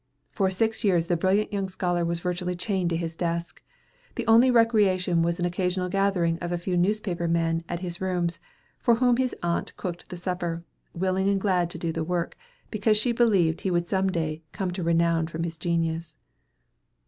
For six years the brilliant young scholar was virtually chained to his desk. The only recreation was an occasional gathering of a few newspaper men at his rooms, for whom his aunt cooked the supper, willing and glad to do the work, because she believed he would some day come to renown from his genius.